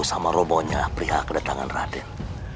sama robonya pria kedatangan raden